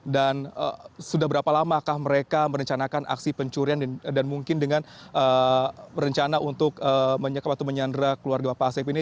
dan sudah berapa lama mereka merencanakan aksi pencurian dan mungkin dengan rencana untuk menyandrak keluarga bapak asep ini